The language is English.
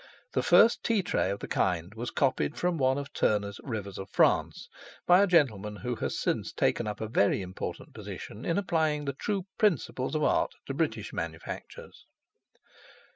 The first tea tray of the kind was copied from one of Turner's Rivers of France, by a gentleman who has since taken up a very important position in applying the true principles of art to British manufactures.